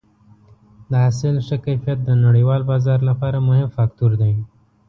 د حاصل ښه کیفیت د نړیوال بازار لپاره مهم فاکتور دی.